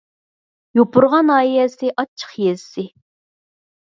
يوپۇرغا ناھىيەسى ئاچچىق يېزىسى